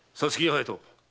隼人。